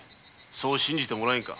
そう信じてもらえんか？